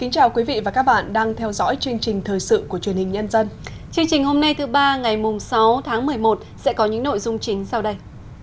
chương trình hôm nay thứ ba ngày sáu tháng một mươi một sẽ có những nội dung chính sau đây